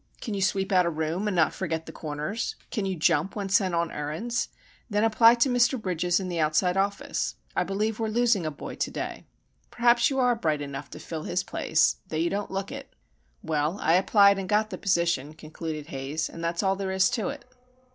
Can you sweep out a room, and not forget the corners? Can you jump when sent on errands? Then apply to Mr. Bridges in the outside office. I believe we're losing a boy to day. Perhaps you are bright enough to fill his place,—though you don't look it.' "Well, I applied, and got the position," concluded Haze, "and that's all there is to it."